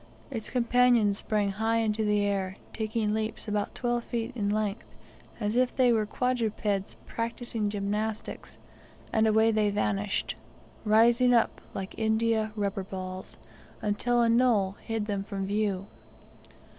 Its companions sprang high into the air, taking leaps about twelve feet in length, as if they were quadrupeds practising gymnastics, and away they vanished, rising up like India rubber balls; until a knoll hid them from view.